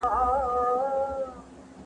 زه اوس د سبا لپاره د سوالونو جواب ورکوم!.